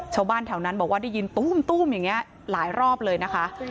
ชาวบ้านแถวนั้นบอกว่าได้ยินตู้มอย่างนี้หลายรอบเลยนะคะ